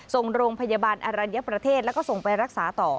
ส่งโรงพยาบาลอรัญญประเทศแล้วก็ส่งไปรักษาต่อ